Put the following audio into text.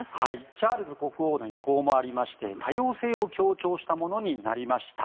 チャールズ国王の意向もありまして多様性を強調したものになりました。